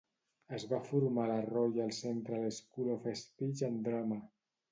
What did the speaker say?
Es va formar a la Royal Central School of Speech and Drama.